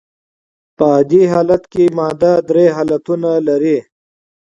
په عادي حالت کي ماده درې حالتونه لري.